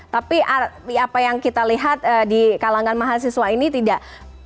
tapi apa yang kita lihat di kalangan mahasiswa ini tidak